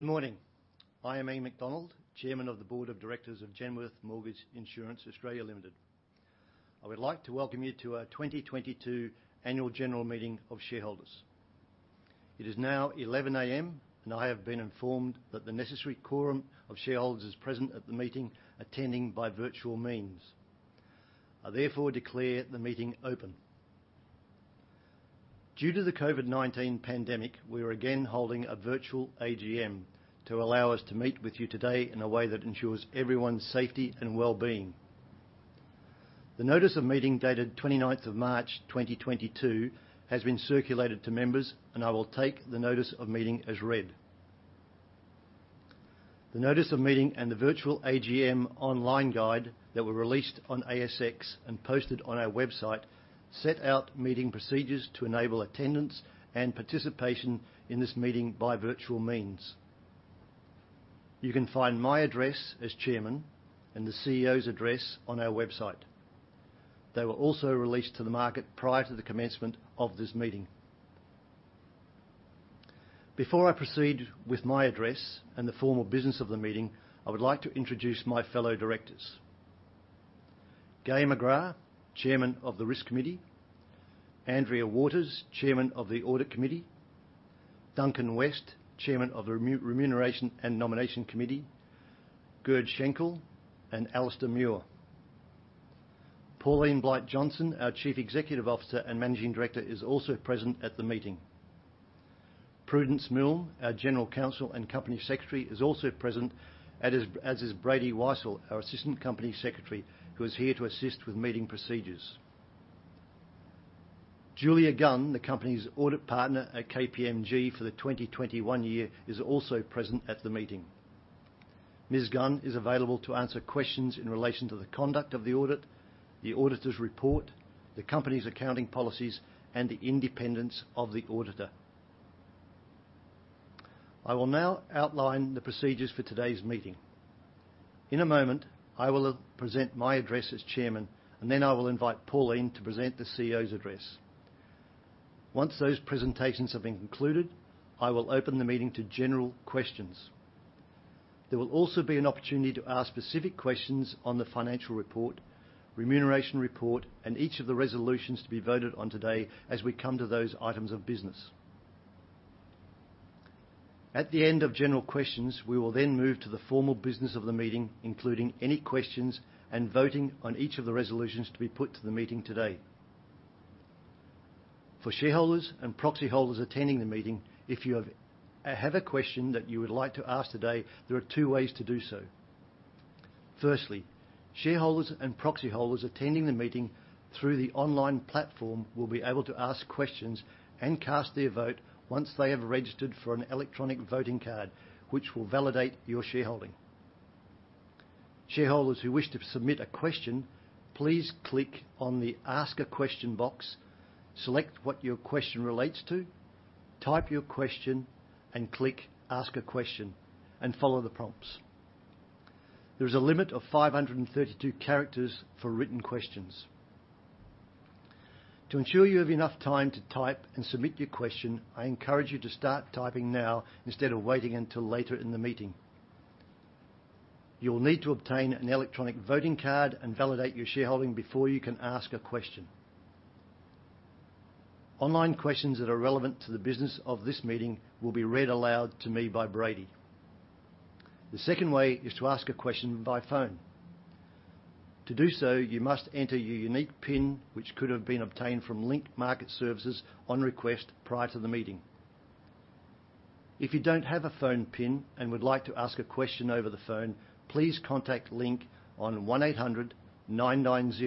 Good morning. I am Ian MacDonald, Chairman of the Board of Directors of Genworth Mortgage Insurance Australia Limited. I would like to welcome you to our 2022 annual general meeting of shareholders. It is now 11:00 A.M., and I have been informed that the necessary quorum of shareholders is present at the meeting attending by virtual means. I therefore declare the meeting open. Due to the COVID-19 pandemic, we are again holding a virtual AGM to allow us to meet with you today in a way that ensures everyone's safety and well-being. The Notice of Meeting dated March 29th, 2022 has been circulated to members, and I will take the Notice of Meeting as read. The Notice of Meeting and the virtual AGM online guide that were released on ASX and posted on our website set out meeting procedures to enable attendance and participation in this meeting by virtual means. You can find my address as chairman and the CEO's address on our website. They were also released to the market prior to the commencement of this meeting. Before I proceed with my address and the formal business of the meeting, I would like to introduce my fellow directors. Gai McGrath, Chairman of the Risk Committee, Andrea Waters, Chairman of the Audit Committee, Duncan West, Chairman of the Remuneration and Nominations Committee, Gerd Schenkel and Alistair Muir. Pauline Blight-Johnston, our Chief Executive Officer and Managing Director, is also present at the meeting. Prudence Milne, our General Counsel and Company Secretary, is also present, and is Brady Weissel, our Assistant Company Secretary, who is here to assist with meeting procedures. Julia Gunn, the company's Audit Partner at KPMG for the 2021 year, is also present at the meeting. Ms. Gunn is available to answer questions in relation to the conduct of the audit, the auditor's report, the company's accounting policies, and the independence of the auditor. I will now outline the procedures for today's meeting. In a moment, I will present my address as Chairman, and then I will invite Pauline to present the CEO's address. Once those presentations have been concluded, I will open the meeting to general questions. There will also be an opportunity to ask specific questions on the financial report, remuneration report, and each of the resolutions to be voted on today as we come to those items of business. At the end of general questions, we will then move to the formal business of the meeting, including any questions and voting on each of the resolutions to be put to the meeting today. For shareholders and proxy holders attending the meeting, if you have a question that you would like to ask today, there are two ways to do so. Firstly, shareholders and proxy holders attending the meeting through the online platform will be able to ask questions and cast their vote once they have registered for an electronic voting card, which will validate your shareholding. Shareholders who wish to submit a question, please click on the Ask a Question box, select what your question relates to, type your question, and click Ask a Question, and follow the prompts. There is a limit of 532 characters for written questions. To ensure you have enough time to type and submit your question, I encourage you to start typing now instead of waiting until later in the meeting. You will need to obtain an electronic voting card and validate your shareholding before you can ask a question. Online questions that are relevant to the business of this meeting will be read aloud to me by Brady. The second way is to ask a question by phone. To do so, you must enter your unique PIN, which could have been obtained from Link Market Services on request prior to the meeting. If you don't have a phone PIN and would like to ask a question over the phone, please contact Link on 1800 990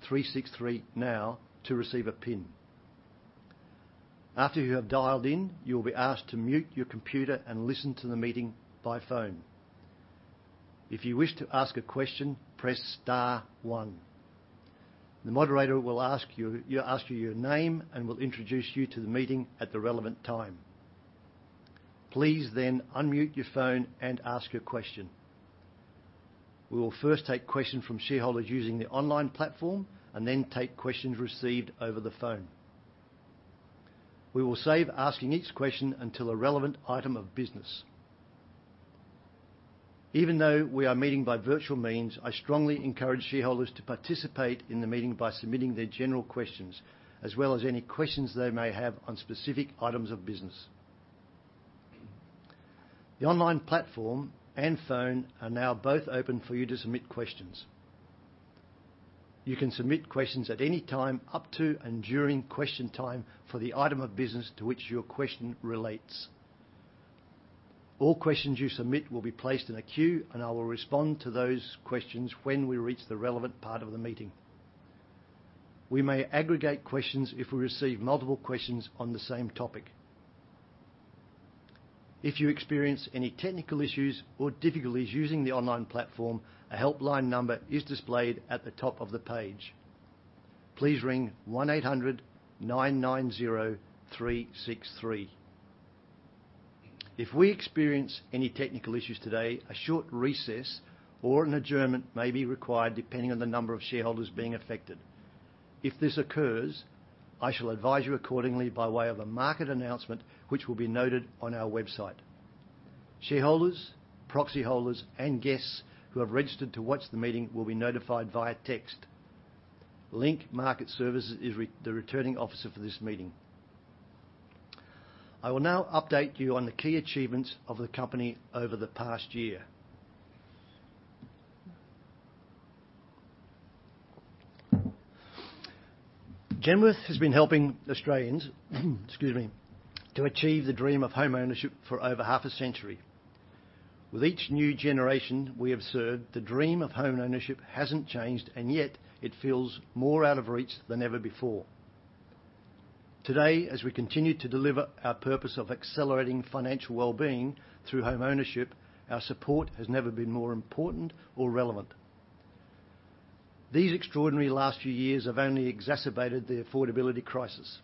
363 now to receive a PIN. After you have dialed in, you will be asked to mute your computer and listen to the meeting by phone. If you wish to ask a question, press star one. The moderator will ask you your name and will introduce you to the meeting at the relevant time. Please then unmute your phone and ask your question. We will first take questions from shareholders using the online platform and then take questions received over the phone. We will save asking each question until a relevant item of business. Even though we are meeting by virtual means, I strongly encourage shareholders to participate in the meeting by submitting their general questions as well as any questions they may have on specific items of business. The online platform and phone are now both open for you to submit questions. You can submit questions at any time up to and during question time for the item of business to which your question relates. All questions you submit will be placed in a queue, and I will respond to those questions when we reach the relevant part of the meeting. We may aggregate questions if we receive multiple questions on the same topic. If you experience any technical issues or difficulties using the online platform, a helpline number is displayed at the top of the page. Please ring 1800-990-363. If we experience any technical issues today, a short recess or an adjournment may be required depending on the number of shareholders being affected. If this occurs, I shall advise you accordingly by way of a market announcement, which will be noted on our website. Shareholders, proxy holders, and guests who have registered to watch the meeting will be notified via text. Link Market Services is the Returning Officer for this meeting. I will now update you on the key achievements of the company over the past year. Genworth has been helping Australians, excuse me, to achieve the dream of homeownership for over half a century. With each new generation we have served, the dream of homeownership hasn't changed, and yet it feels more out of reach than ever before. Today, as we continue to deliver our purpose of accelerating financial well-being through homeownership, our support has never been more important or relevant. These extraordinary last few years have only exacerbated the affordability crisis,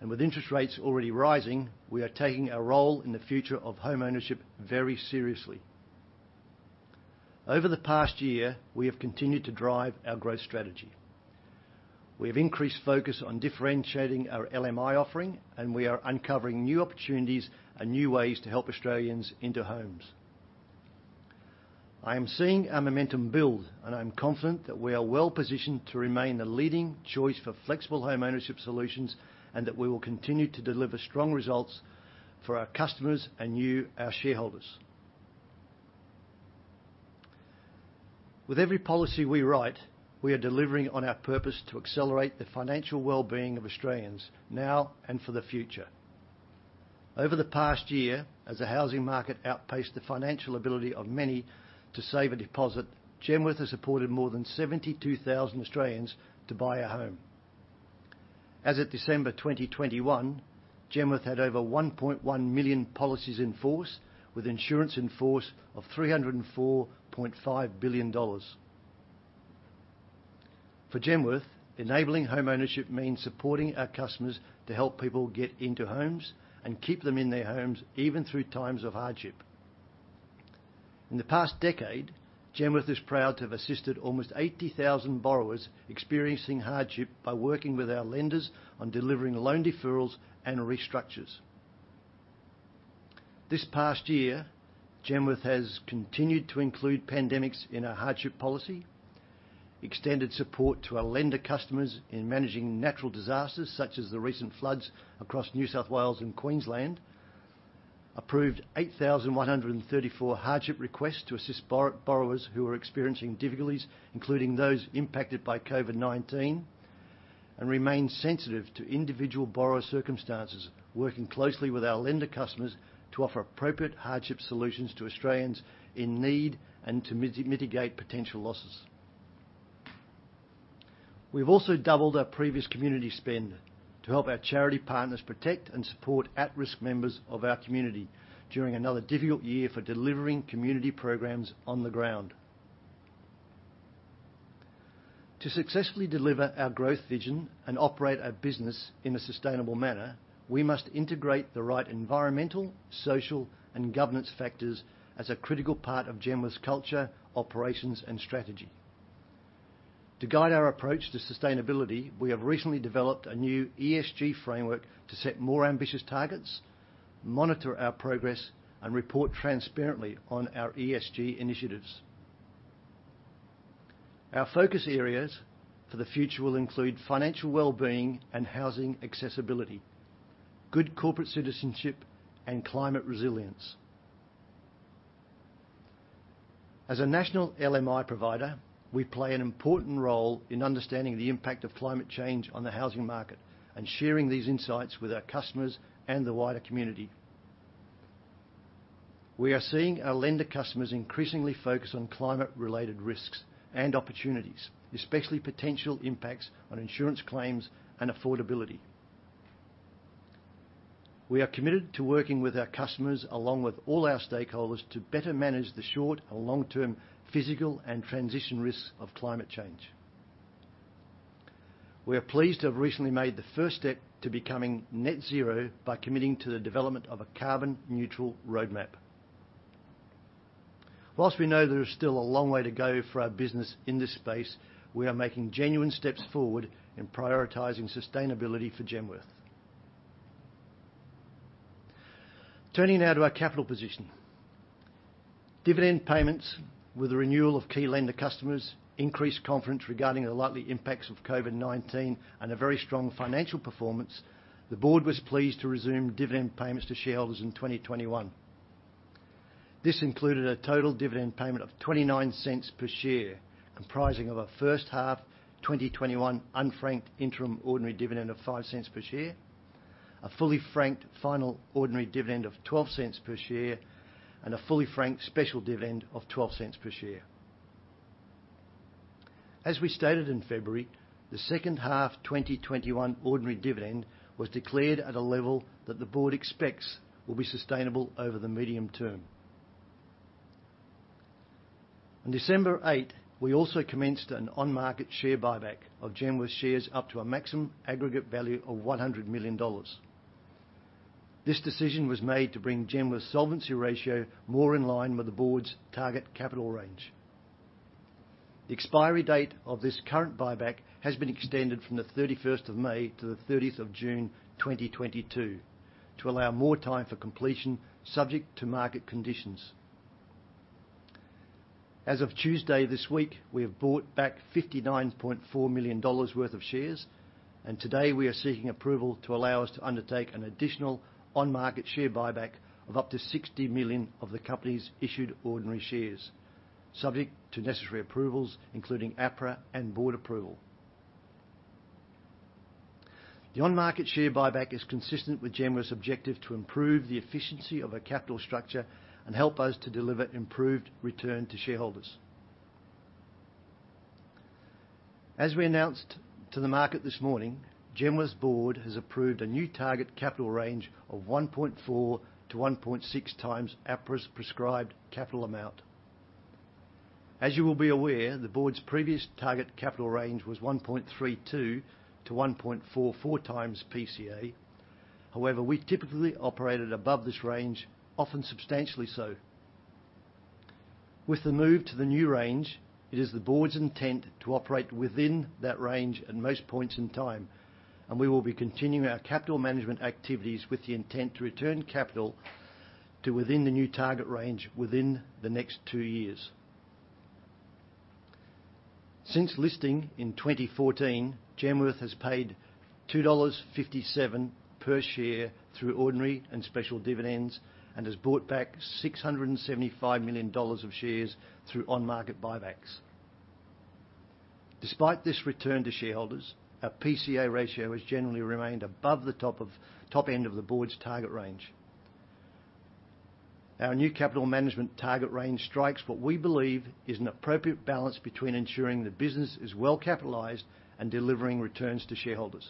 and with interest rates already rising, we are taking our role in the future of homeownership very seriously. Over the past year, we have continued to drive our growth strategy. We have increased focus on differentiating our LMI offering, and we are uncovering new opportunities and new ways to help Australians into homes. I am seeing our momentum build, and I'm confident that we are well-positioned to remain the leading choice for flexible homeownership solutions, and that we will continue to deliver strong results for our customers and you, our shareholders. With every policy we write, we are delivering on our purpose to accelerate the financial well-being of Australians now and for the future. Over the past year, as the housing market outpaced the financial ability of many to save a deposit, Genworth has supported more than 72,000 Australians to buy a home. As of December 2021, Genworth had over 1.1 million policies in force, with insurance in force of 304.5 billion dollars. For Genworth, enabling homeownership means supporting our customers to help people get into homes and keep them in their homes, even through times of hardship. In the past decade, Genworth is proud to have assisted almost 80,000 borrowers experiencing hardship by working with our lenders on delivering loan deferrals and restructures. This past year, Genworth has continued to include pandemics in our hardship policy, extended support to our lender customers in managing natural disasters, such as the recent floods across New South Wales and Queensland, approved 8,134 hardship requests to assist borrowers who are experiencing difficulties, including those impacted by COVID-19, and remained sensitive to individual borrower circumstances, working closely with our lender customers to offer appropriate hardship solutions to Australians in need and to mitigate potential losses. We've also doubled our previous community spend to help our charity partners protect and support at-risk members of our community during another difficult year for delivering community programs on the ground. To successfully deliver our growth vision and operate our business in a sustainable manner, we must integrate the right environmental, social, and governance factors as a critical part of Genworth's culture, operations, and strategy. To guide our approach to sustainability, we have recently developed a new ESG framework to set more ambitious targets, monitor our progress, and report transparently on our ESG initiatives. Our focus areas for the future will include financial well-being and housing accessibility, good corporate citizenship, and climate resilience. As a national LMI provider, we play an important role in understanding the impact of climate change on the housing market and sharing these insights with our customers and the wider community. We are seeing our lender customers increasingly focus on climate-related risks and opportunities, especially potential impacts on insurance claims and affordability. We are committed to working with our customers, along with all our stakeholders, to better manage the short and long-term physical and transition risks of climate change. We are pleased to have recently made the first step to becoming net zero by committing to the development of a carbon-neutral roadmap. While we know there is still a long way to go for our business in this space, we are making genuine steps forward in prioritizing sustainability for Genworth. Turning now to our capital position. Dividend payments, with the renewal of key lender customers increased confidence regarding the likely impacts of COVID-19 and a very strong financial performance, the board was pleased to resume dividend payments to shareholders in 2021. This included a total dividend payment of 0.29 per share, comprising of a first half 2021 unfranked interim ordinary dividend of 0.05 per share, a fully franked final ordinary dividend of 0.12 per share, and a fully franked special dividend of 0.12 per share. As we stated in February, the second half 2021 ordinary dividend was declared at a level that the board expects will be sustainable over the medium term. On December 8, we also commenced an on-market share buyback of Genworth shares up to a maximum aggregate value of 100 million dollars. This decision was made to bring Genworth's solvency ratio more in line with the board's target capital range. The expiry date of this current buyback has been extended from May 31st to June 30th, 2022 to allow more time for completion subject to market conditions. As of Tuesday this week, we have bought back 59.4 million dollars worth of shares, and today we are seeking approval to allow us to undertake an additional on-market share buyback of up to 60 million of the company's issued ordinary shares, subject to necessary approvals, including APRA and board approval. The on-market share buyback is consistent with Genworth's objective to improve the efficiency of a capital structure and help us to deliver improved return to shareholders. As we announced to the market this morning, Genworth's board has approved a new target capital range of 1.4-1.6 times APRA's prescribed capital amount. As you will be aware, the board's previous target capital range was 1.32-1.44 times PCA. However, we typically operated above this range, often substantially so. With the move to the new range, it is the board's intent to operate within that range at most points in time, and we will be continuing our capital management activities with the intent to return capital to within the new target range within the next two years. Since listing in 2014, Genworth has paid 2.57 dollars per share through ordinary and special dividends and has bought back 675 million dollars of shares through on-market buybacks. Despite this return to shareholders, our PCA ratio has generally remained above the top end of the board's target range. Our new capital management target range strikes what we believe is an appropriate balance between ensuring the business is well capitalized and delivering returns to shareholders.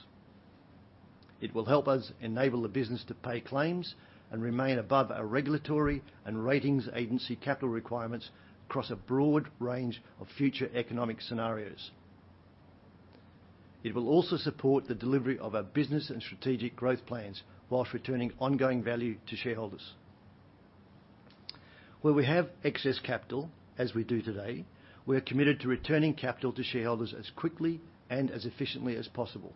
It will help us enable the business to pay claims and remain above our regulatory and ratings agency capital requirements across a broad range of future economic scenarios. It will also support the delivery of our business and strategic growth plans while returning ongoing value to shareholders. Where we have excess capital, as we do today, we are committed to returning capital to shareholders as quickly and as efficiently as possible.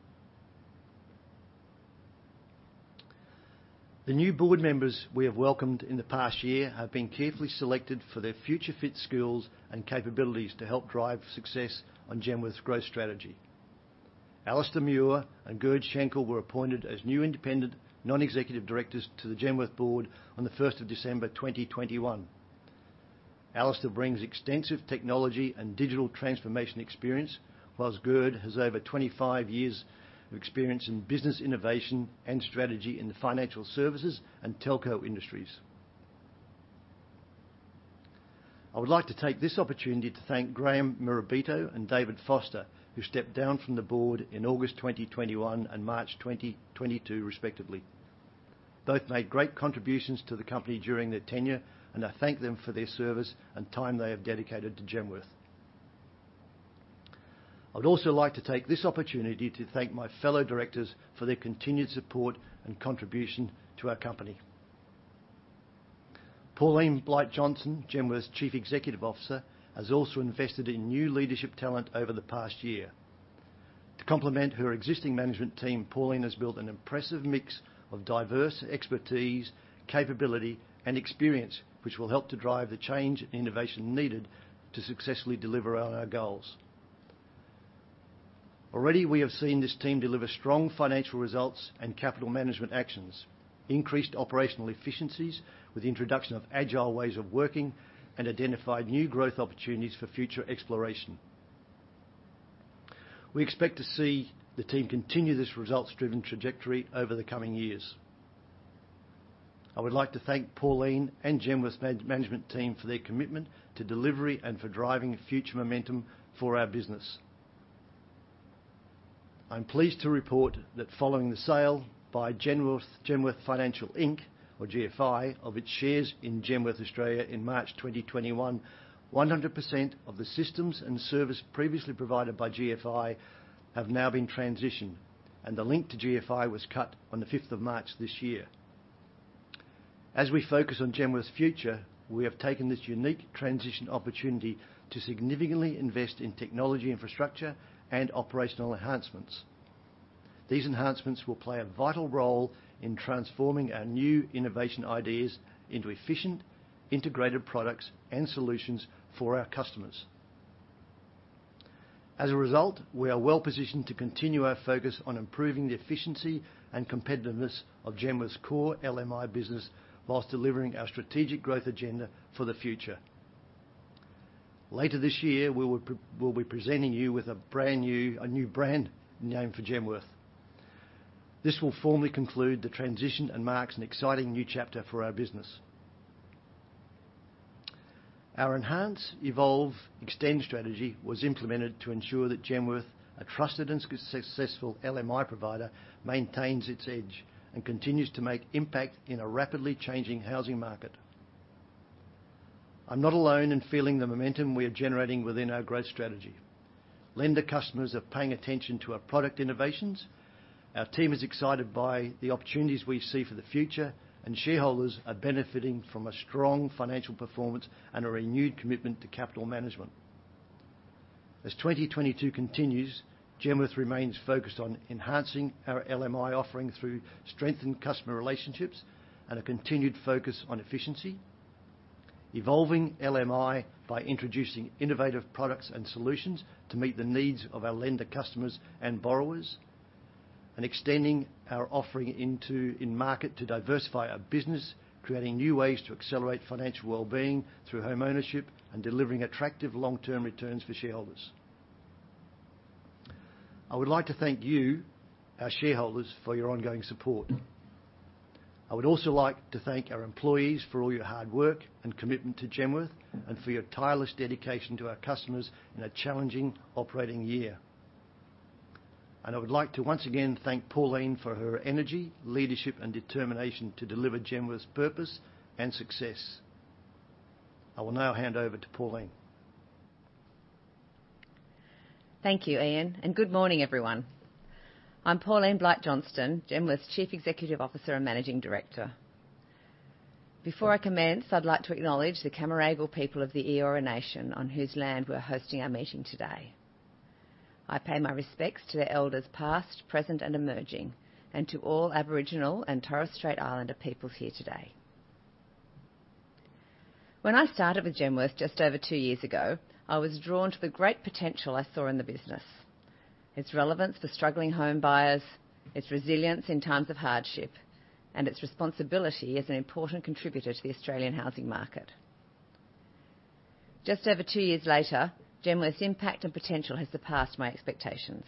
The new board members we have welcomed in the past year have been carefully selected for their future-fit skills and capabilities to help drive success on Genworth's growth strategy. Alistair Muir and Gerd Schenkel were appointed as new independent non-executive directors to the Genworth board on December 1st, 2021. Alistair brings extensive technology and digital transformation experience, while Gerd has over 25 years of experience in business innovation and strategy in the financial services and telco industries. I would like to take this opportunity to thank Graham Morabito and David Foster, who stepped down from the board in August 2021 and March 2022 respectively. Both made great contributions to the company during their tenure, and I thank them for their service and time they have dedicated to Genworth. I would also like to take this opportunity to thank my fellow directors for their continued support and contribution to our company. Pauline Blight-Johnston, Genworth's Chief Executive Officer, has also invested in new leadership talent over the past year. To complement her existing management team, Pauline has built an impressive mix of diverse expertise, capability, and experience, which will help to drive the change and innovation needed to successfully deliver on our goals. Already, we have seen this team deliver strong financial results and capital management actions, increased operational efficiencies with the introduction of agile ways of working and identified new growth opportunities for future exploration. We expect to see the team continue this results-driven trajectory over the coming years. I would like to thank Pauline and Genworth's management team for their commitment to delivery and for driving future momentum for our business. I'm pleased to report that following the sale by Genworth Financial, Inc., or GFI, of its shares in Genworth Australia in March 2021, 100% of the systems and service previously provided by GFI have now been transitioned, and the link to GFI was cut on March 5th this year. As we focus on Genworth's future, we have taken this unique transition opportunity to significantly invest in technology infrastructure and operational enhancements. These enhancements will play a vital role in transforming our new innovation ideas into efficient, integrated products and solutions for our customers. As a result, we are well-positioned to continue our focus on improving the efficiency and competitiveness of Genworth's core LMI business while delivering our strategic growth agenda for the future. Later this year, we'll be presenting you with a brand new brand name for Genworth. This will formally conclude the transition and marks an exciting new chapter for our business. Our Enhance, Evolve, Extend strategy was implemented to ensure that Genworth, a trusted and successful LMI provider, maintains its edge and continues to make impact in a rapidly changing housing market. I'm not alone in feeling the momentum we are generating within our growth strategy. Lender customers are paying attention to our product innovations, our team is excited by the opportunities we see for the future, and shareholders are benefiting from a strong financial performance and a renewed commitment to capital management. As 2022 continues, Genworth remains focused on enhancing our LMI offering through strengthened customer relationships and a continued focus on efficiency, evolving LMI by introducing innovative products and solutions to meet the needs of our lender customers and borrowers, and extending our offering in market to diversify our business, creating new ways to accelerate financial well-being through homeownership and delivering attractive long-term returns for shareholders. I would like to thank you, our shareholders, for your ongoing support. I would also like to thank our employees for all your hard work and commitment to Genworth and for your tireless dedication to our customers in a challenging operating year. I would like to once again thank Pauline for her energy, leadership and determination to deliver Genworth's purpose and success. I will now hand over to Pauline. Thank you, Ian, and good morning, everyone. I'm Pauline Blight-Johnston, Genworth's Chief Executive Officer and Managing Director. Before I commence, I'd like to acknowledge the Cammeraygal people of the Eora Nation, on whose land we're hosting our meeting today. I pay my respects to the Elders past, present, and emerging, and to all Aboriginal and Torres Strait Islander peoples here today. When I started with Genworth just over two years ago, I was drawn to the great potential I saw in the business, its relevance to struggling homebuyers, its resilience in times of hardship, and its responsibility as an important contributor to the Australian housing market. Just over two years later, Genworth's impact and potential has surpassed my expectations.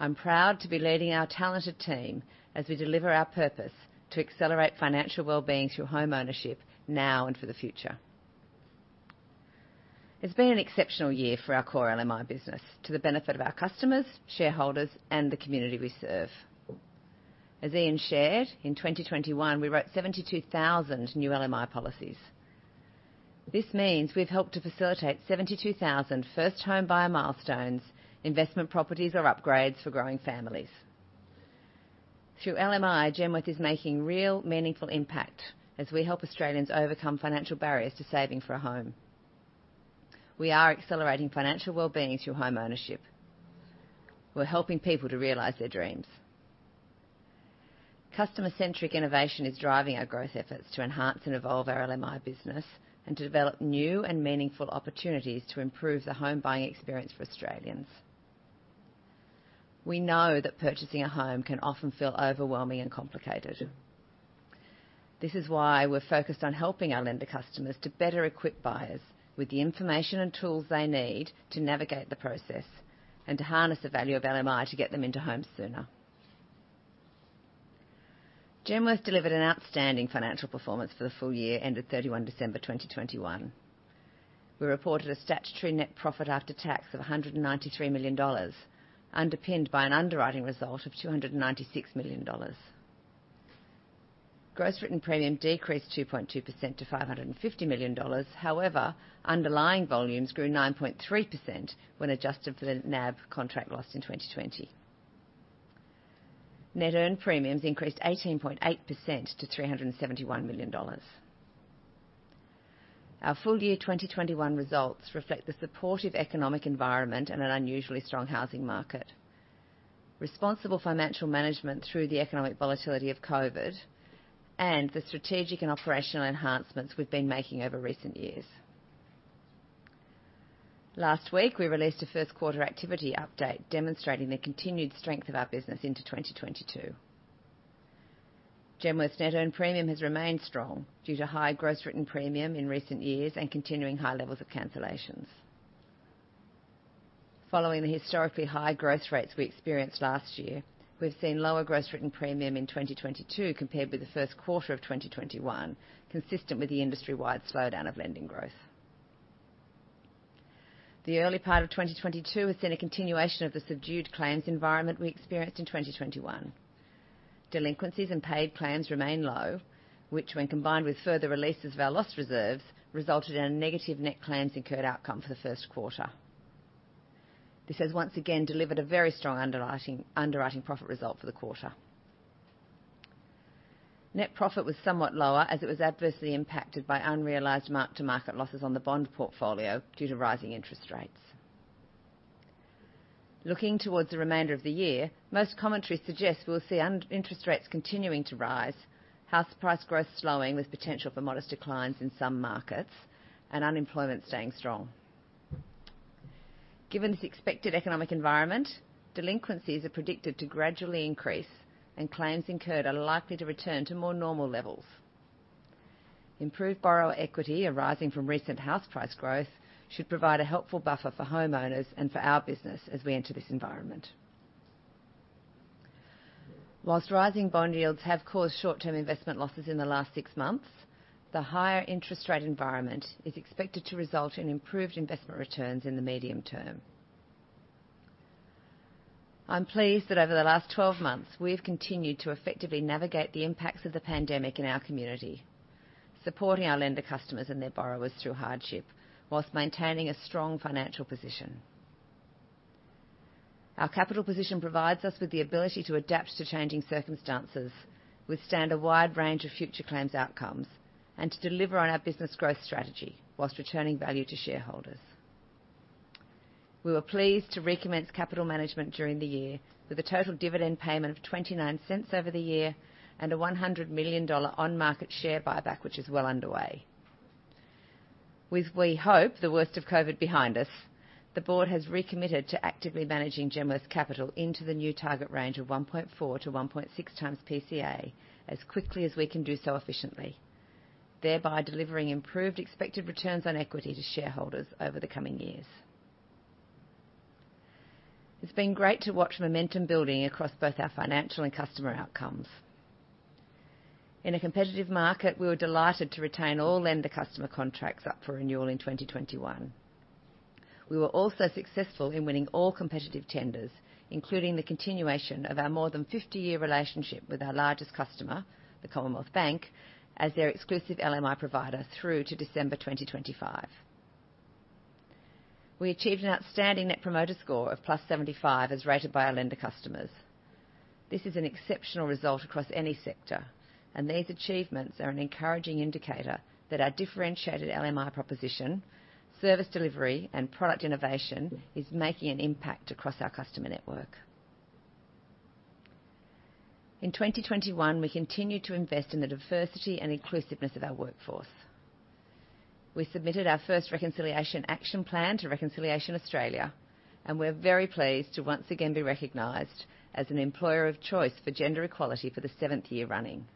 I'm proud to be leading our talented team as we deliver our purpose to accelerate financial well-being through homeownership now and for the future. It's been an exceptional year for our core LMI business to the benefit of our customers, shareholders, and the community we serve. As Ian shared, in 2021, we wrote 72,000 new LMI policies. This means we've helped to facilitate 72,000 first-home buyer milestones, investment properties or upgrades for growing families. Through LMI, Genworth is making real, meaningful impact as we help Australians overcome financial barriers to saving for a home. We are accelerating financial well-being through homeownership. We're helping people to realize their dreams. Customer-centric innovation is driving our growth efforts to enhance and evolve our LMI business and to develop new and meaningful opportunities to improve the home-buying experience for Australians. We know that purchasing a home can often feel overwhelming and complicated. This is why we're focused on helping our lender customers to better equip buyers with the information and tools they need to navigate the process and to harness the value of LMI to get them into homes sooner. Genworth delivered an outstanding financial performance for the full year ended December 31 2021. We reported a statutory net profit after tax of 193 million dollars, underpinned by an underwriting result of 296 million dollars. Gross written premium decreased 2.2% to 550 million dollars. However, underlying volumes grew 9.3% when adjusted for the NAB contract loss in 2020. Net earned premiums increased 18.8% to AUD 371 million. Our full-year 2021 results reflect the supportive economic environment and an unusually strong housing market. Responsible financial management through the economic volatility of COVID-19 and the strategic and operational enhancements we've been making over recent years. Last week, we released a first-quarter activity update demonstrating the continued strength of our business into 2022. Genworth's net earned premium has remained strong due to high gross written premium in recent years and continuing high levels of cancellations. Following the historically high growth rates we experienced last year, we've seen lower gross written premium in 2022 compared with the first quarter of 2021, consistent with the industry-wide slowdown of lending growth. The early part of 2022 has seen a continuation of the subdued claims environment we experienced in 2021. Delinquencies and paid claims remain low, which when combined with further releases of our loss reserves, resulted in a negative net claims incurred outcome for the first quarter. This has once again delivered a very strong underwriting profit result for the quarter. Net profit was somewhat lower as it was adversely impacted by unrealized mark-to-market losses on the bond portfolio due to rising interest rates. Looking towards the remainder of the year, most commentary suggests we will see interest rates continuing to rise, house price growth slowing with potential for modest declines in some markets, and unemployment staying strong. Given this expected economic environment, delinquencies are predicted to gradually increase and claims incurred are likely to return to more normal levels. Improved borrower equity arising from recent house price growth should provide a helpful buffer for homeowners and for our business as we enter this environment. While rising bond yields have caused short-term investment losses in the last six months, the higher interest-rate environment is expected to result in improved investment returns in the medium term. I'm pleased that over the last 12 months, we've continued to effectively navigate the impacts of the pandemic in our community, supporting our lender customers and their borrowers through hardship while maintaining a strong financial position. Our capital position provides us with the ability to adapt to changing circumstances, withstand a wide range of future claims outcomes, and to deliver on our business growth strategy while returning value to shareholders. We were pleased to recommence capital management during the year with a total dividend payment of 0.29 over the year and a 100 million dollar on-market share buyback, which is well underway. With, we hope, the worst of COVID behind us, the board has recommitted to actively managing Genworth's capital into the new target range of 1.4x-1.6x PCA as quickly as we can do so efficiently, thereby delivering improved expected returns on equity to shareholders over the coming years. It's been great to watch momentum building across both our financial and customer outcomes. In a competitive market, we were delighted to retain all lender customer contracts up for renewal in 2021. We were also successful in winning all competitive tenders, including the continuation of our more than 50-year relationship with our largest customer, the Commonwealth Bank, as their exclusive LMI provider through to December 2025. We achieved an outstanding Net Promoter Score of +75 as rated by our lender customers. This is an exceptional result across any sector, and these achievements are an encouraging indicator that our differentiated LMI proposition, service delivery, and product innovation is making an impact across our customer network. In 2021, we continued to invest in the diversity and inclusiveness of our workforce. We submitted our first reconciliation action plan to Reconciliation Australia, and we're very pleased to once again be recognized as an employer of choice for gender equality for the seventh year running.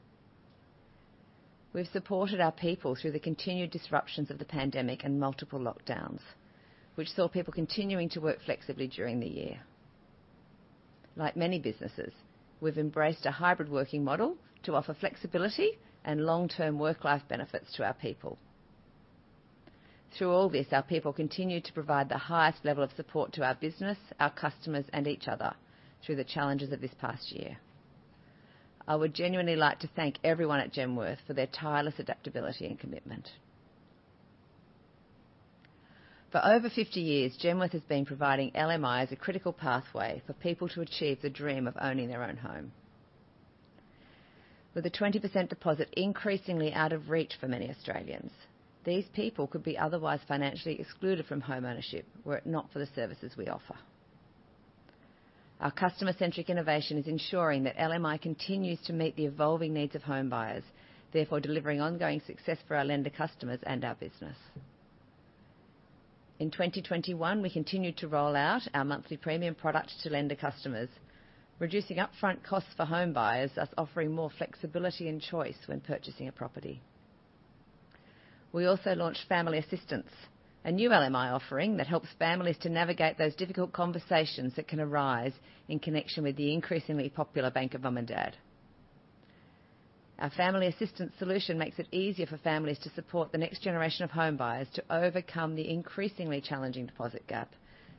We've supported our people through the continued disruptions of the pandemic and multiple lockdowns, which saw people continuing to work flexibly during the year. Like many businesses, we've embraced a hybrid working model to offer flexibility and long-term work-life benefits to our people. Through all this, our people continued to provide the highest level of support to our business, our customers, and each other through the challenges of this past year. I would genuinely like to thank everyone at Genworth for their tireless adaptability and commitment. For over 50 years, Genworth has been providing LMI as a critical pathway for people to achieve the dream of owning their own home. With a 20% deposit increasingly out of reach for many Australians, these people could be otherwise financially excluded from homeownership were it not for the services we offer. Our customer-centric innovation is ensuring that LMI continues to meet the evolving needs of homebuyers, therefore delivering ongoing success for our lender customers and our business. In 2021, we continued to roll out our monthly premium product to lender customers, reducing upfront costs for homebuyers, thus offering more flexibility and choice when purchasing a property. We also launched Family Assistance, a new LMI offering that helps families to navigate those difficult conversations that can arise in connection with the increasingly popular Bank of Mum and Dad. Our Family Assistance solution makes it easier for families to support the next generation of homebuyers to overcome the increasingly challenging deposit-gap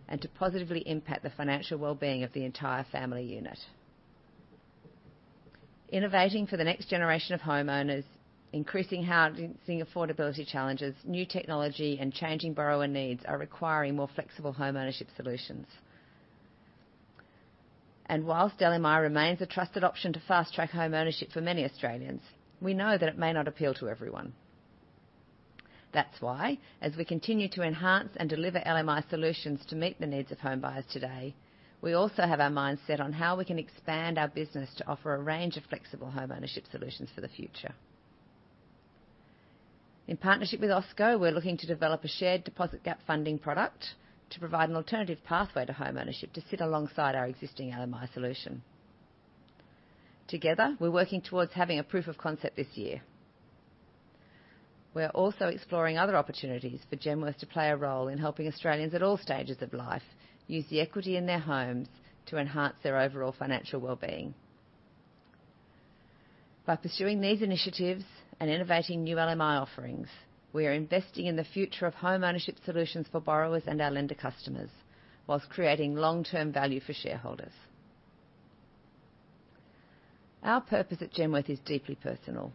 and to positively impact the financial well-being of the entire family unit. Innovating for the next generation of homeowners, increasing housing affordability challenges, new technology, and changing borrower needs are requiring more flexible homeownership solutions. While LMI remains a trusted option to fast-track homeownership for many Australians, we know that it may not appeal to everyone. That's why, as we continue to enhance and deliver LMI solutions to meet the needs of homebuyers today, we also have our minds set on how we can expand our business to offer a range of flexible homeownership solutions for the future. In partnership with OSQO, we're looking to develop a shared deposit-gap funding product to provide an alternative pathway to homeownership to sit alongside our existing LMI solution. Together, we're working towards having a proof of concept this year. We're also exploring other opportunities for Genworth to play a role in helping Australians at all stages of life use the equity in their homes to enhance their overall financial well-being. By pursuing these initiatives and innovating new LMI offerings, we are investing in the future of homeownership solutions for borrowers and our lender customers while creating long-term value for shareholders. Our purpose at Genworth is deeply personal.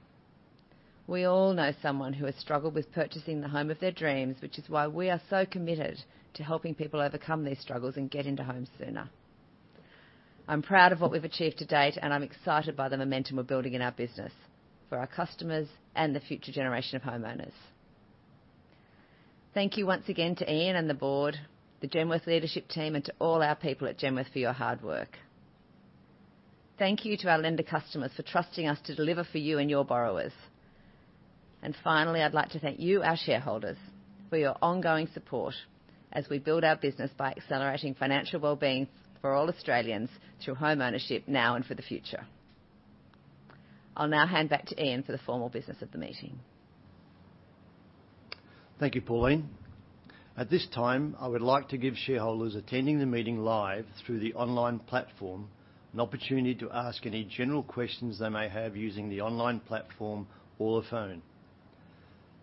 We all know someone who has struggled with purchasing the home of their dreams, which is why we are so committed to helping people overcome these struggles and get into homes sooner. I'm proud of what we've achieved to date, and I'm excited by the momentum we're building in our business for our customers and the future generation of homeowners. Thank you once again to Ian and the board, the Genworth leadership team, and to all our people at Genworth for your hard work. Thank you to our lender customers for trusting us to deliver for you and your borrowers. Finally, I'd like to thank you, our shareholders, for your ongoing support as we build our business by accelerating financial well-being for all Australians through homeownership now and for the future. I'll now hand back to Ian for the formal business of the meeting. Thank you, Pauline. At this time, I would like to give shareholders attending the meeting live through the online platform an opportunity to ask any general questions they may have using the online platform or the phone.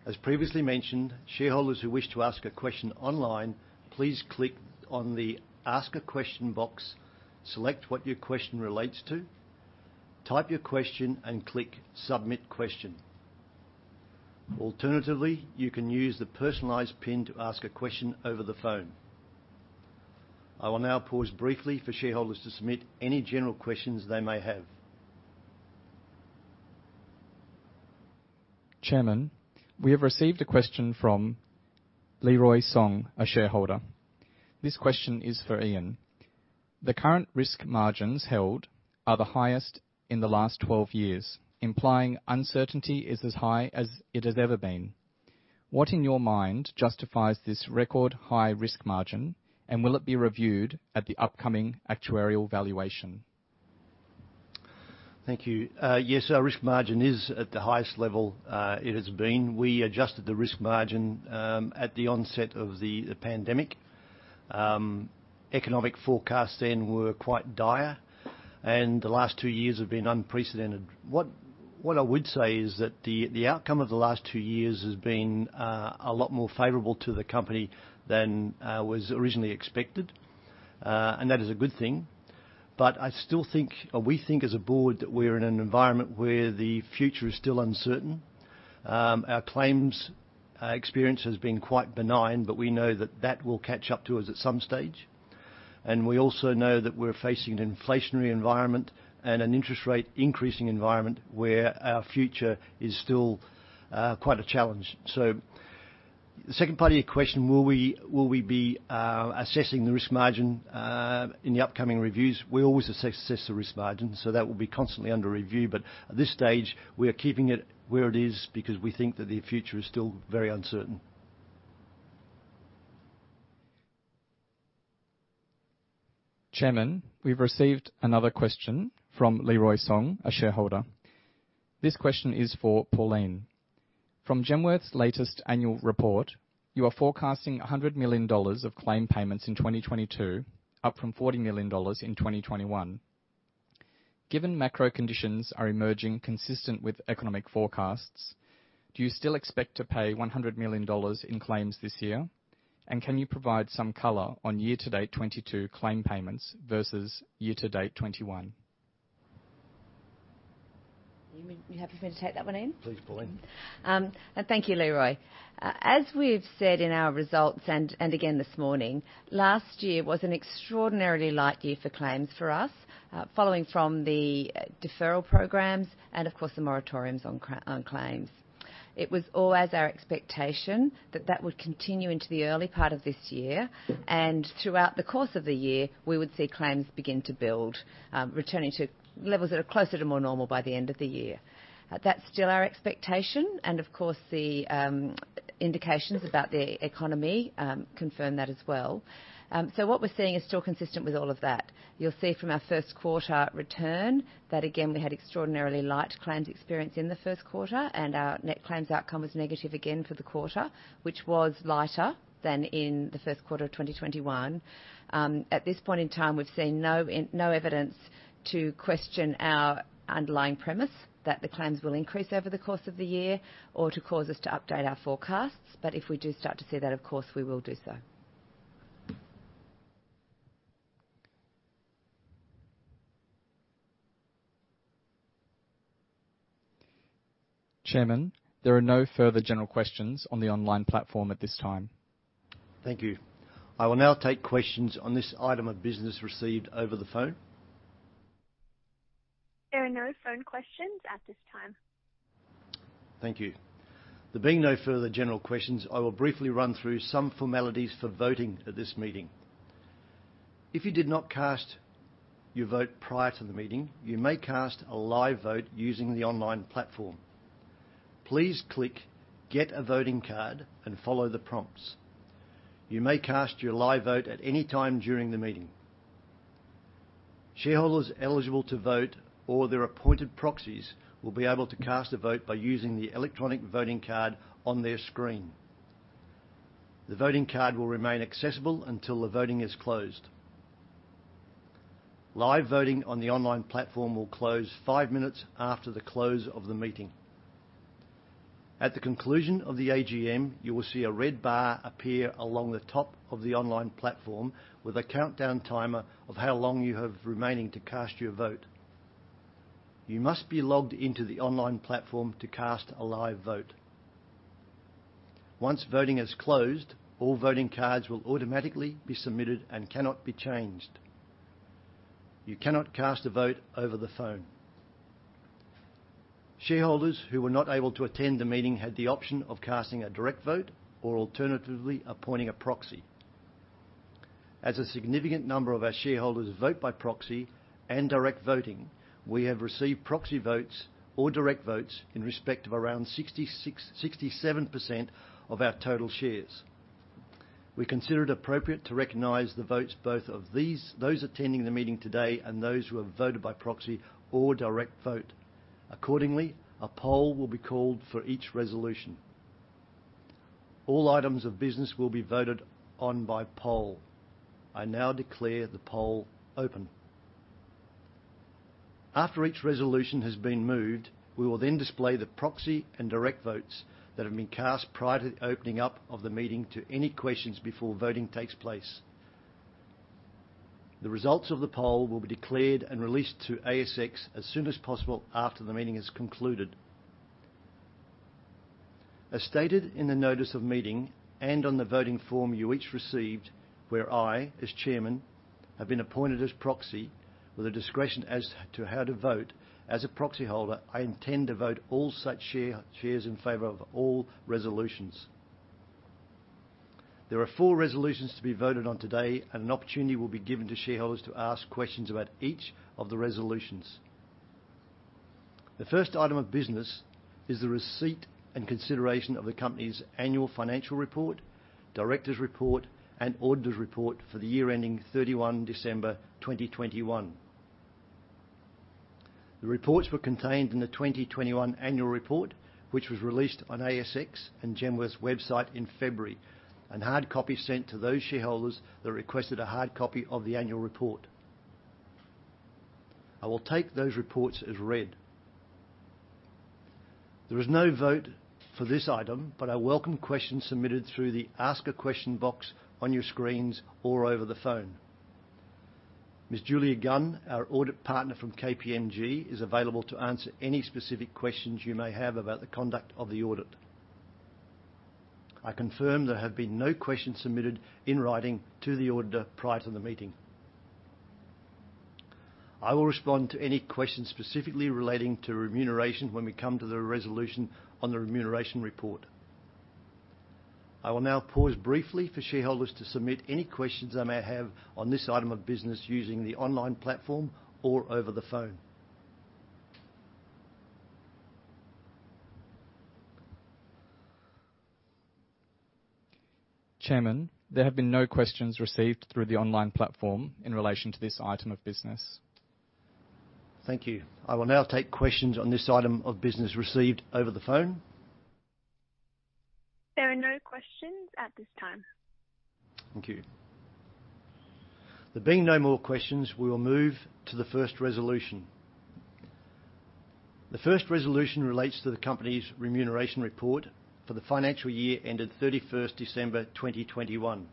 As previously mentioned, shareholders who wish to ask a question online, please click on the Ask a Question box, select what your question relates to, type your question, and click Submit Question. Alternatively, you can use the personalized pin to ask a question over the phone. I will now pause briefly for shareholders to submit any general questions they may have. Chairman, we have received a question from Leroy Song, a shareholder. This question is for Ian MacDonald. The current risk margins held are the highest in the last 12 years, implying uncertainty is as high as it has ever been. What in your mind justifies this record-high risk margin, and will it be reviewed at the upcoming actuarial valuation? Thank you. Yes, our risk margin is at the highest level it has been. We adjusted the risk margin at the onset of the pandemic. Economic forecasts then were quite dire, and the last two years have been unprecedented. What I would say is that the outcome of the last two years has been a lot more favorable to the company than was originally expected, and that is a good thing. We think as a board that we're in an environment where the future is still uncertain. Our claims experience has been quite benign, but we know that will catch up to us at some stage. We also know that we're facing an inflationary environment and an interest rate increasing environment where our future is still quite a challenge. The second part of your question, will we be assessing the risk margin in the upcoming reviews? We always assess the risk margin, so that will be constantly under review. But at this stage, we are keeping it where it is because we think that the future is still very uncertain. Chairman, we've received another question from Leroy Song, a shareholder. This question is for Pauline. From Genworth's latest annual report, you are forecasting 100 million dollars of claim payments in 2022, up from 40 million dollars in 2021. Given macro conditions are emerging consistent with economic forecasts, do you still expect to pay 100 million dollars in claims this year? And can you provide some color on year-to-date 2022 claim payments versus year-to-date 2021? You mean, you're happy for me to take that one, Ian? Please, Pauline. Thank you, Leroy. As we've said in our results and again this morning, last year was an extraordinarily light year for claims for us, following from the deferral programs and of course the moratoriums on claims. It was always our expectation that that would continue into the early part of this year, and throughout the course of the year, we would see claims begin to build, returning to levels that are closer to more normal by the end of the year. That's still our expectation and of course the indications about the economy confirm that as well. What we're seeing is still consistent with all of that. You'll see from our first-quarter return that again, we had extraordinarily light claims experience in the first quarter, and our net claims outcome was negative again for the quarter, which was lighter than in the first quarter of 2021. At this point in time, we've seen no evidence to question our underlying premise that the claims will increase over the course of the year or to cause us to update our forecasts. If we do start to see that, of course, we will do so. Chairman, there are no further general questions on the online platform at this time. Thank you. I will now take questions on this item of business received over the phone. There are no phone questions at this time. Thank you. There being no further general questions, I will briefly run through some formalities for voting at this meeting. If you did not cast your vote prior to the meeting, you may cast a live vote using the online platform. Please click Get a Voting Card and follow the prompts. You may cast your live vote at any time during the meeting. Shareholders eligible to vote or their appointed proxies will be able to cast a vote by using the electronic voting card on their screen. The voting card will remain accessible until the voting is closed. Live voting on the online platform will close five minutes after the close of the meeting. At the conclusion of the AGM, you will see a red bar appear along the top of the online platform with a countdown timer of how long you have remaining to cast your vote. You must be logged into the online platform to cast a live vote. Once voting is closed, all voting cards will automatically be submitted and cannot be changed. You cannot cast a vote over the phone. Shareholders who were not able to attend the meeting had the option of casting a direct vote or alternatively appointing a proxy. As a significant number of our shareholders vote by proxy and direct voting, we have received proxy votes or direct votes in respect of around 66%-67% of our total shares. We consider it appropriate to recognize the votes both of these, those attending the meeting today and those who have voted by proxy or direct vote. Accordingly, a poll will be called for each resolution. All items of business will be voted on by poll. I now declare the poll open. After each resolution has been moved, we will then display the proxy and direct votes that have been cast prior to the opening up of the meeting to any questions before voting takes place. The results of the poll will be declared and released to ASX as soon as possible after the meeting is concluded. As stated in the Notice of Meeting and on the voting form you each received, where I, as chairman, have been appointed as proxy with a discretion as to how to vote, as a proxy holder, I intend to vote all such shares in favor of all resolutions. There are four resolutions to be voted on today, and an opportunity will be given to shareholders to ask questions about each of the resolutions. The first item of business is the receipt and consideration of the company's annual financial report, directors report, and auditors report for the year ending December 31 2021. The reports were contained in the 2021 annual report, which was released on ASX and Genworth's website in February, and hard copies sent to those shareholders that requested a hard copy of the annual report. I will take those reports as read. There is no vote for this item, but I welcome questions submitted through the Ask a Question box on your screens or over the phone. Ms. Julia Gunn, our Audit Partner from KPMG, is available to answer any specific questions you may have about the conduct of the audit. I confirm there have been no questions submitted in writing to the auditor prior to the meeting. I will respond to any questions specifically relating to remuneration when we come to the resolution on the remuneration report. I will now pause briefly for shareholders to submit any questions they may have on this item of business using the online platform or over the phone. Chairman, there have been no questions received through the online platform in relation to this item of business. Thank you. I will now take questions on this item of business received over the phone. There are no questions at this time. Thank you. There being no more questions, we will move to the first resolution. The first resolution relates to the company's remuneration report for the financial year ended 31st December 2021.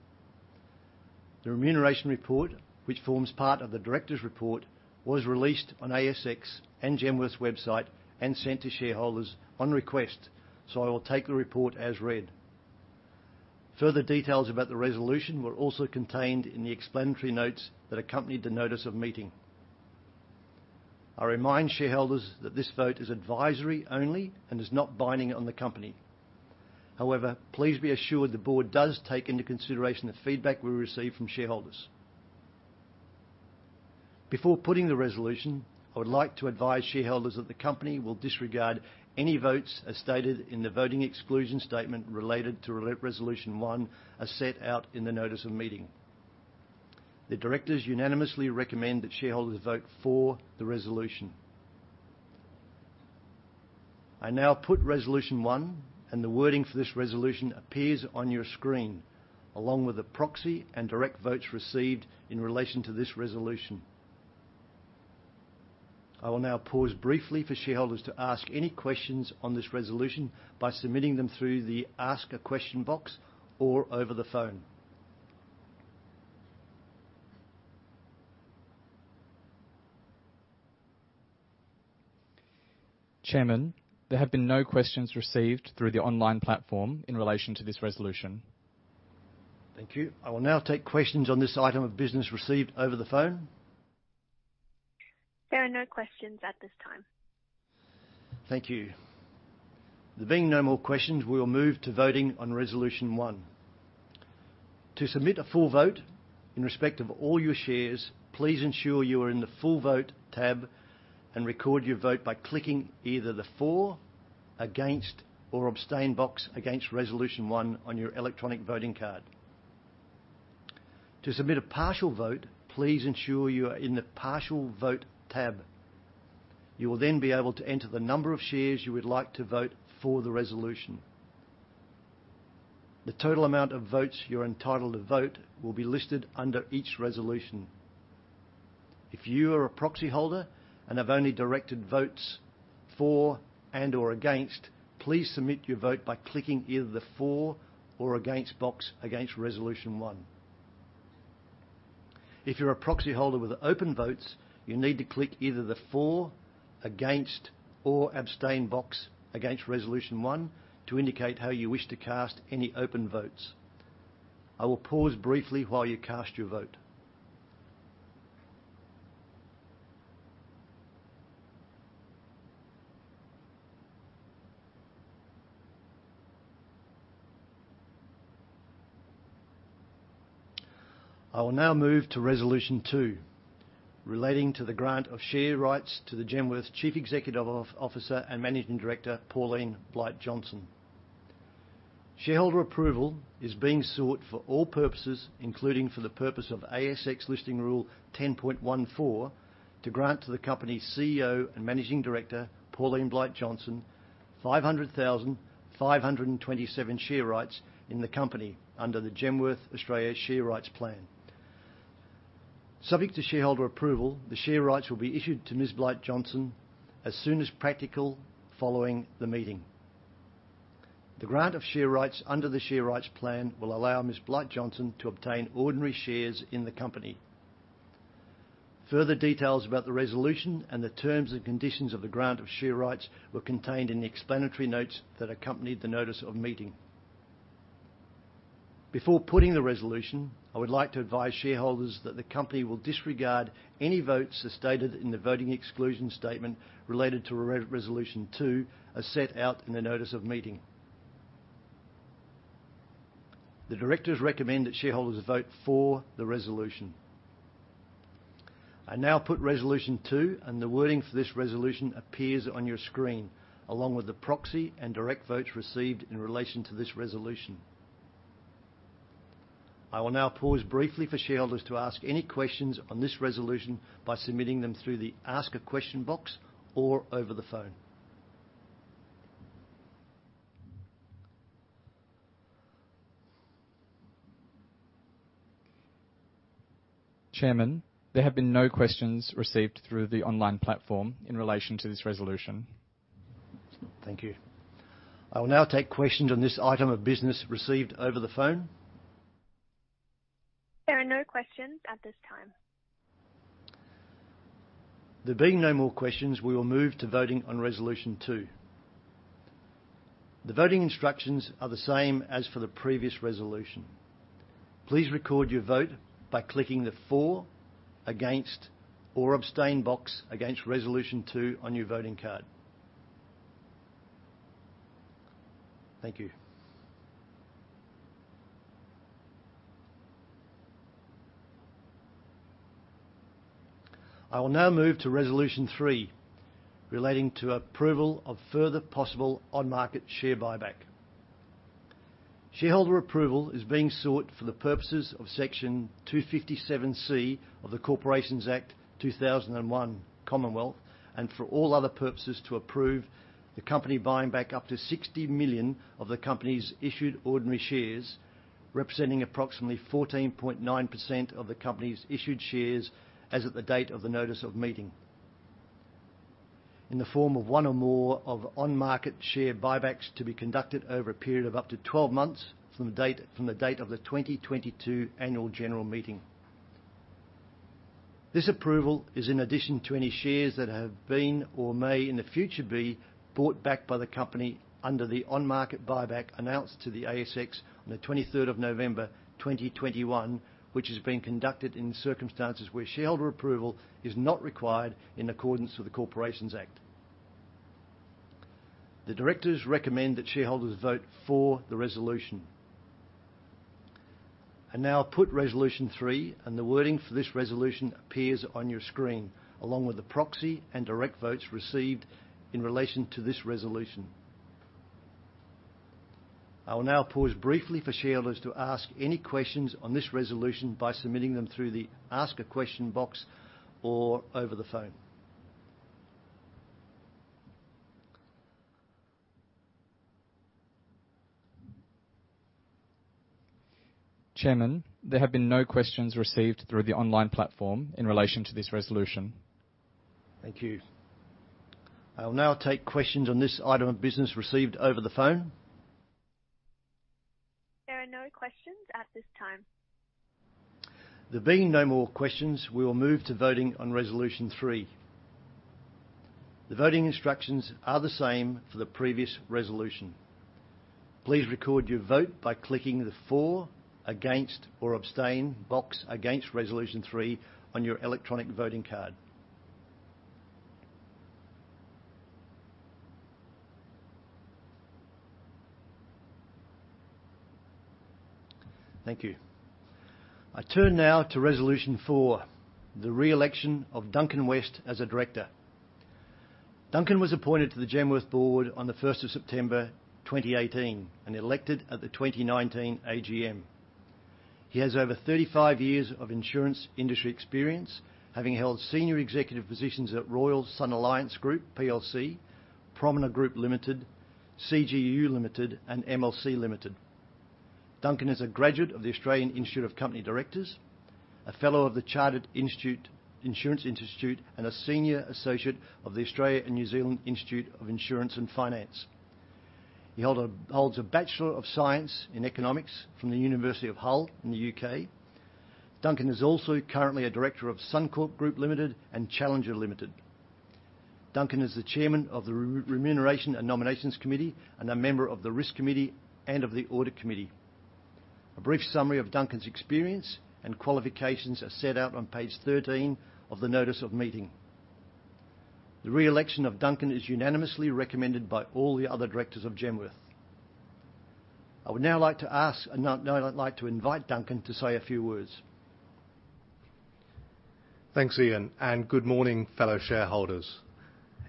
The remuneration report, which forms part of the director's report, was released on ASX and Genworth's website and sent to shareholders on request, so I will take the report as read. Further details about the resolution were also contained in the explanatory notes that accompanied the Notice of Meeting. I remind shareholders that this vote is advisory only and is not binding on the company. However, please be assured the board does take into consideration the feedback we receive from shareholders. Before putting the resolution, I would like to advise shareholders that the company will disregard any votes, as stated in the voting exclusion statement related to resolution one, as set out in the Notice of Meeting. The directors unanimously recommend that shareholders vote for the resolution. I now put resolution one, and the wording for this resolution appears on your screen, along with the proxy and direct votes received in relation to this resolution. I will now pause briefly for shareholders to ask any questions on this resolution by submitting them through the Ask a Question box or over the phone. Chairman, there have been no questions received through the online platform in relation to this resolution. Thank you. I will now take questions on this item of business received over the phone. There are no questions at this time. Thank you. There being no more questions, we will move to voting on resolution one. To submit a full vote in respect of all your shares, please ensure you are in the Full Vote tab and record your vote by clicking either the For, Against, or Abstain box against resolution one on your electronic voting card. To submit a partial vote, please ensure you are in the Partial Vote tab. You will then be able to enter the number of shares you would like to vote for the resolution. The total amount of votes you're entitled to vote will be listed under each resolution. If you are a proxy holder and have only directed votes for and/or against, please submit your vote by clicking either the For or Against box against resolution one. If you're a proxy holder with open votes, you need to click either the For, Against, or Abstain box against resolution one to indicate how you wish to cast any open votes. I will pause briefly while you cast your vote. I will now move to resolution two, relating to the grant of share rights to the Genworth Chief Executive Officer and Managing Director, Pauline Blight-Johnston. Shareholder approval is being sought for all purposes, including for the purpose of ASX Listing Rule 10.14, to grant to the company's CEO and Managing Director, Pauline Blight-Johnston 500,527 share rights in the company under the Genworth Australia Share Rights Plan. Subject to I will now pause briefly for shareholders to ask any questions on this resolution by submitting them through the Ask a Question box or over the phone. Chairman, there have been no questions received through the online platform in relation to this resolution. Thank you. I will now take questions on this item of business received over the phone. Thank you. I turn now to resolution four, the re-election of Duncan West as a director. Duncan was appointed to the Genworth board on September 1st, 2018 and elected at the 2019 AGM. He has over 35 years of insurance industry experience, having held senior executive positions at Royal & Sun Alliance Insurance Group plc, Promina Group Limited, CGU Insurance Limited, and MLC Limited. Duncan is a graduate of the Australian Institute of Company Directors, a fellow of the Chartered Insurance Institute, and a senior associate of the Australian and New Zealand Institute of Insurance and Finance. Holds a Bachelor of Science in Economics from the University of Hull in the UK. Duncan is also currently a director of Suncorp Group Limited and Challenger Limited. Duncan is the Chairman of the Remuneration and Nominations Committee and a member of the Risk Committee and of the Audit Committee. A brief summary of Duncan's experience and qualifications are set out on page 13 of the Notice of Meeting. The re-election of Duncan is unanimously recommended by all the other directors of Genworth. I'd like to invite Duncan to say a few words. Thanks, Ian, and good morning, fellow shareholders.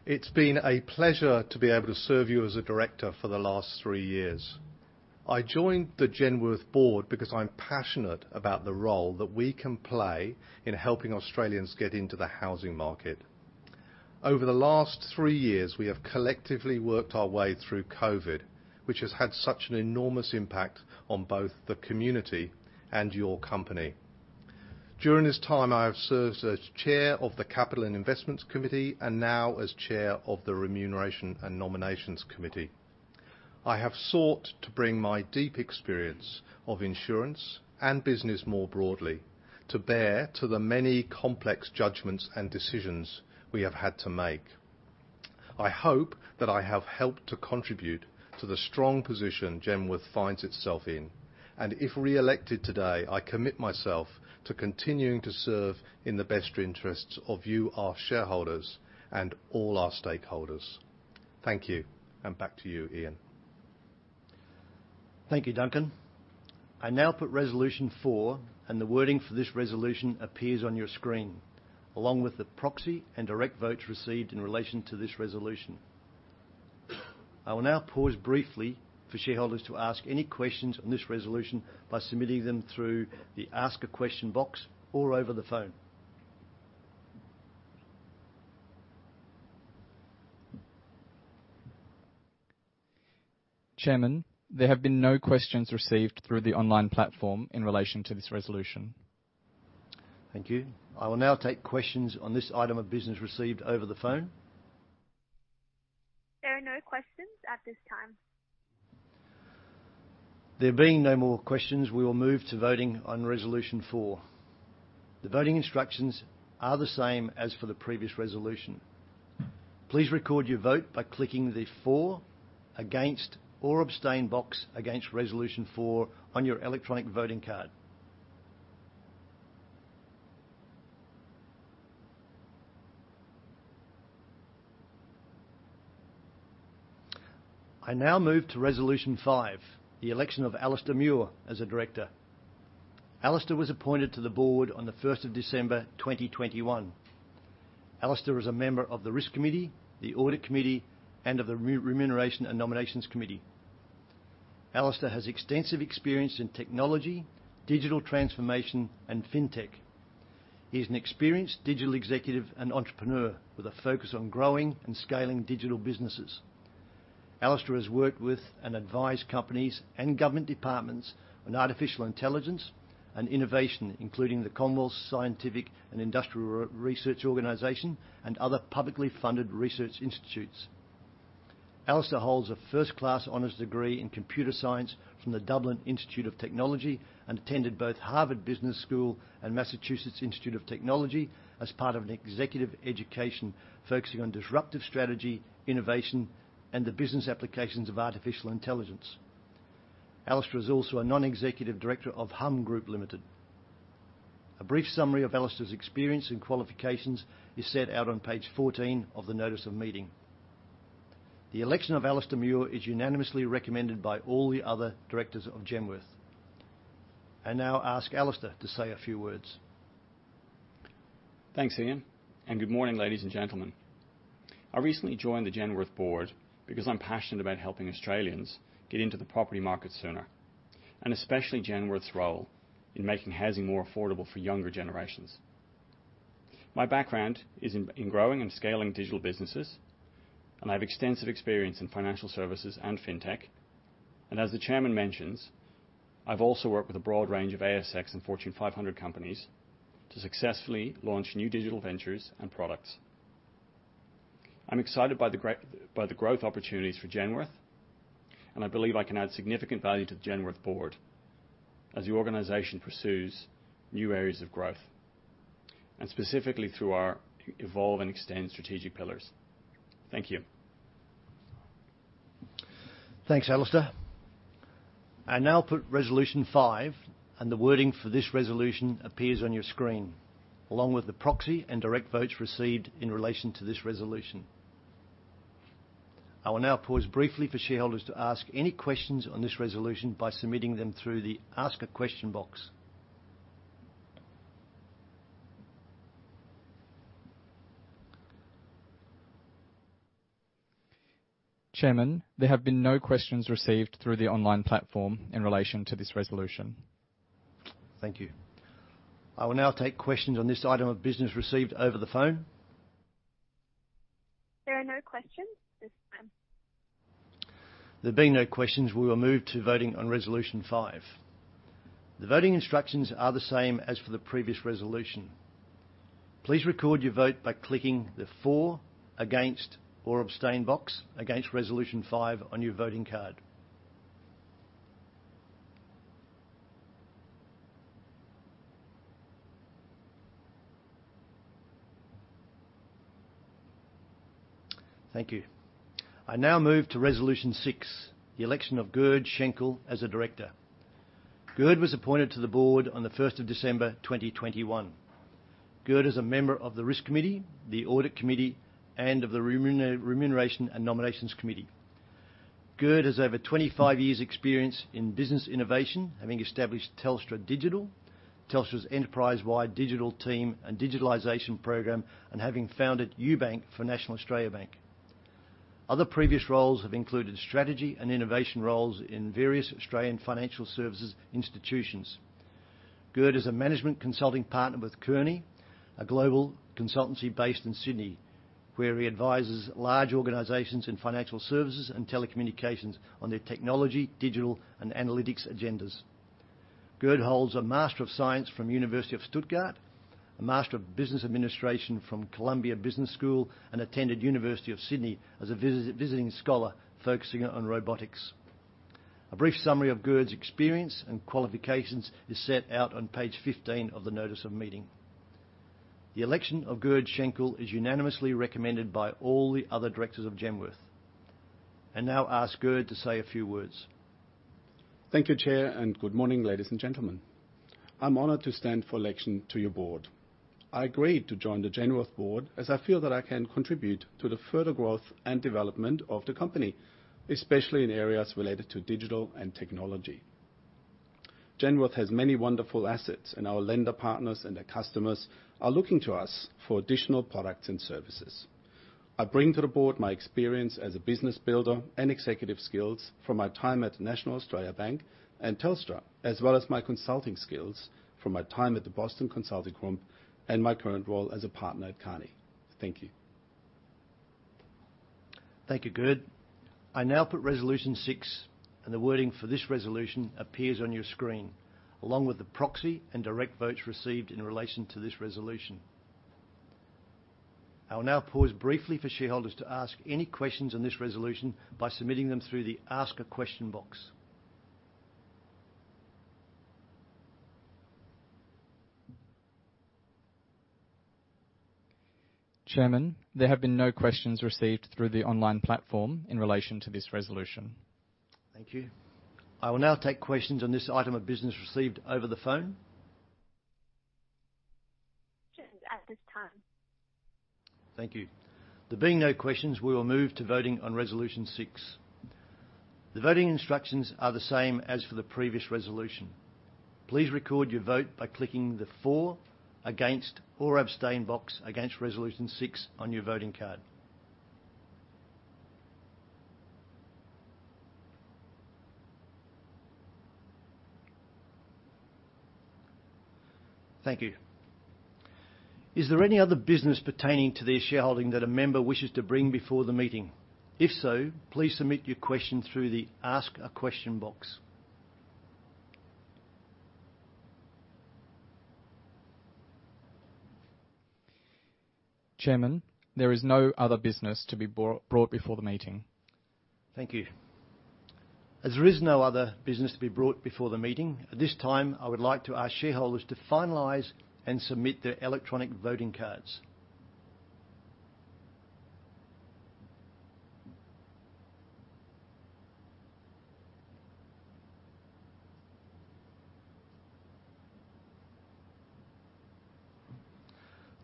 It's been a pleasure to be able to serve you as a director for the last three years. I joined the Genworth board because I'm passionate about the role that we can play in helping Australians get into the housing market. Over the last three years, we have collectively worked our way through COVID-19, which has had such an enormous impact on both the community and your company. During this time, I have served as Chair of the Capital and Investments Committee and now as Chair of the Remuneration and Nominations Committee. I have sought to bring my deep experience of insurance and business more broadly to bear to the many complex judgments and decisions we have had to make. I hope that I have helped to contribute to the strong position Genworth finds itself in. If reelected today, I commit myself to continuing to serve in the best interests of you, our shareholders, and all our stakeholders. Thank you, and back to you, Ian. Thank you, Duncan. I now put resolution 4, and the wording for this resolution appears on your screen, along with the proxy and direct votes received in relation to this resolution. I will now pause briefly for shareholders to ask any questions on this resolution by submitting them through the Ask a Question box or over the phone. Chairman, there have been no questions received through the online platform in relation to this resolution. Thank you. I will now take questions on this item of business received over the phone. There are no questions at this time. There being no more questions, we will move to voting on resolution 4. The voting instructions are the same as for the previous resolution. Please record your vote by clicking the for, against, or abstain box against resolution 4 on your electronic voting card. I now move to resolution 5, the election of Alistair Muir as a director. Alistair was appointed to the board on December 1st, 2021. Alistair is a member of the Risk Committee, the Audit Committee, and of the Remuneration and Nominations Committee. Alistair has extensive experience in technology, digital transformation, and fintech. He is an experienced digital executive and entrepreneur with a focus on growing and scaling digital businesses. Alistair has worked with and advised companies and government departments on artificial intelligence and innovation, including the Commonwealth Scientific and Industrial Research Organisation and other publicly funded research institutes. Alistair holds a first-class honors degree in computer science from the Dublin Institute of Technology and attended both Harvard Business School and Massachusetts Institute of Technology as part of an executive education focusing on disruptive strategy, innovation, and the business applications of artificial intelligence. Alistair is also a non-executive director of Humm Group Limited. A brief summary of Alistair's experience and qualifications is set out on page 14 of the Notice of Meeting. The election of Alistair Muir is unanimously recommended by all the other directors of Genworth. I now ask Alistair to say a few words. Thanks, Ian, and good morning, ladies and gentlemen. I recently joined the Genworth board because I'm passionate about helping Australians get into the property market sooner, and especially Genworth's role in making housing more affordable for younger generations. My background is in growing and scaling digital businesses, and I have extensive experience in financial services and fintech. As the chairman mentions, I've also worked with a broad range of ASX and Fortune 500 companies to successfully launch new digital ventures and products. I'm excited by the growth opportunities for Genworth, and I believe I can add significant value to the Genworth board as the organization pursues new areas of growth, and specifically through our evolve and extend strategic pillars. Thank you. Thanks, Alistair. I now put resolution 5, and the wording for this resolution appears on your screen, along with the proxy and direct votes received in relation to this resolution. I will now pause briefly for shareholders to ask any questions on this resolution by submitting them through the Ask a Question box. Chairman, there have been no questions received through the online platform in relation to this resolution. Thank you. I will now take questions on this item of business received over the phone. There are no questions this time. There being no questions, we will move to voting on resolution five. The voting instructions are the same as for the previous resolution. Please record your vote by clicking the for, against, or abstain box against resolution five on your voting card. Thank you. I now move to resolution six, the election of Gerd Schenkel as a director. Gerd was appointed to the board on December 1st, 2021. Gerd is a member of the Risk Committee, the Audit Committee, and of the Remuneration and Nominations Committee. Gerd has over 25 years' experience in business innovation, having established Telstra Digital, Telstra's enterprise-wide digital team and digitalization program and having founded UBank for National Australia Bank. Other previous roles have included strategy and innovation roles in various Australian financial services institutions. Gerd is a management consulting partner with Kearney, a global consultancy based in Sydney, where he advises large organizations in financial services and telecommunications on their technology, digital, and analytics agendas. Gerd holds a Master of Science from University of Stuttgart, a Master of Business Administration from Columbia Business School, and attended University of Sydney as a visiting scholar focusing on robotics. A brief summary of Gerd's experience and qualifications is set out on page 15 of the Notice of Meeting. The election of Gerd Schenkel is unanimously recommended by all the other directors of Genworth. I now ask Gerd to say a few words. Thank you, Chair, and good morning, ladies and gentlemen. I'm honored to stand for election to your board. I agreed to join the Genworth board as I feel that I can contribute to the further growth and development of the company, especially in areas related to digital and technology. Genworth has many wonderful assets, and our lender partners and their customers are looking to us for additional products and services. I bring to the board my experience as a business builder and executive skills from my time at National Australia Bank and Telstra, as well as my consulting skills from my time at the Boston Consulting Group and my current role as a partner at Kearney. Thank you. Thank you, Gerd. I now put resolution 6, and the wording for this resolution appears on your screen, along with the proxy and direct votes received in relation to this resolution. I will now pause briefly for shareholders to ask any questions on this resolution by submitting them through the Ask a Question box. Chairman, there have been no questions received through the online platform in relation to this resolution. Thank you. I will now take questions on this item of business received over the phone. At this time. Thank you. There being no questions, we will move to voting on resolution 6. The voting instructions are the same as for the previous resolution. Please record your vote by clicking the for, against, or abstain box against resolution 6 on your voting card. Thank you. Is there any other business pertaining to their shareholding that a member wishes to bring before the meeting? If so, please submit your question through the Ask a Question box. Chairman, there is no other business to be brought before the meeting. Thank you. As there is no other business to be brought before the meeting, at this time, I would like to ask shareholders to finalize and submit their electronic voting cards.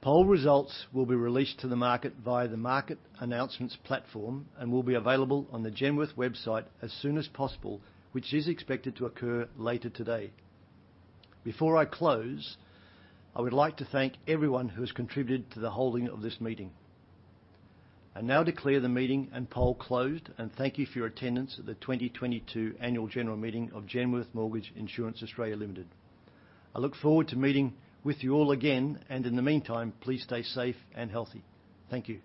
Poll results will be released to the market via the Market Announcements Platform and will be available on the Genworth website as soon as possible, which is expected to occur later today. Before I close, I would like to thank everyone who has contributed to the holding of this meeting. I now declare the meeting and poll closed, and thank you for your attendance at the 2022 annual general meeting of Genworth Mortgage Insurance Australia Limited. I look forward to meeting with you all again and in the meantime, please stay safe and healthy. Thank you.